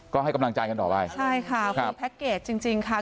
ก็ให้กำลังใจกันต่อไปใช่ค่ะคือแพ็คเกจจริงจริงค่ะ